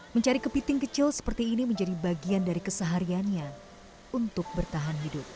mencari kepiting kecil seperti ini menjadi bagian dari kesehariannya untuk bertahan hidup